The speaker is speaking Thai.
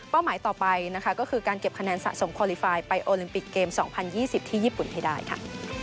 หมายต่อไปนะคะก็คือการเก็บคะแนนสะสมคอลลีไฟล์ไปโอลิมปิกเกม๒๐๒๐ที่ญี่ปุ่นให้ได้ค่ะ